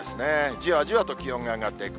じわじわと気温が上がっていく。